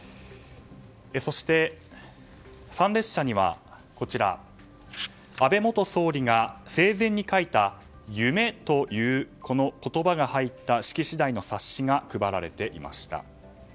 そして参列者には安倍元総理が生前に書いた「夢」という言葉が入った冊子が配られていました。